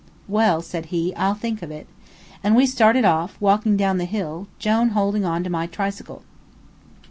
"Well," said he, "I'll think of it." And we started off, walking down the hill, Jone holding on to my tricycle.